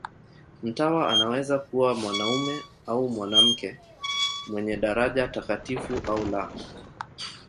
Mtawa anaweza kuwa mwanamume au mwanamke, mwenye daraja takatifu au la.